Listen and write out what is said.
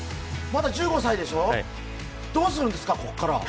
まだ１５歳でしょう、どうするんですか、ここから。